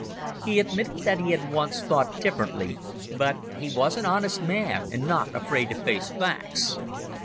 He admitted that he had once thought differently, but he was an honest man and not afraid to face facts.